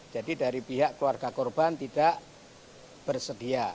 jadi dari pihak keluarga korban tidak bersedia